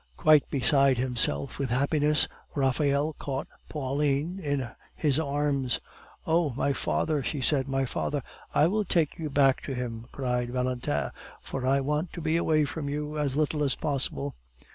Quite beside himself with happiness, Raphael caught Pauline in his arms. "Oh, my father!" she said; "my father " "I will take you back to him," cried Valentin, "for I want to be away from you as little as possible."